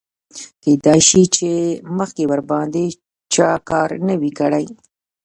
کیدای شي چې مخکې ورباندې چا کار نه وي کړی.